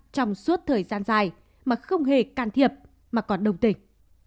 trong suốt thời gian dài mà không hề can thiệp mà còn đồng tình